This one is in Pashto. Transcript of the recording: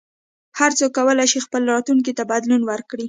هر څوک کولای شي خپل راتلونکي ته بدلون ورکړي.